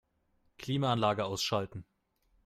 Klimaanlage ausschalten.